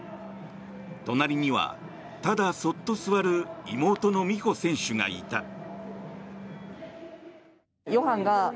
隣には、ただそっと座る妹の美帆選手がいた。